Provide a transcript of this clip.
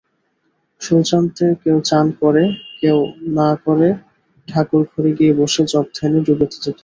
শৌচান্তে কেউ চান করে, কেউ না করে ঠাকুরঘরে গিয়ে বসে জপধ্যানে ডুবে যেতুম।